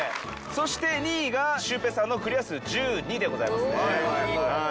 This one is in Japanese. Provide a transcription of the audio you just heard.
そして２位がシュウペイさんのクリア数１２でございますね。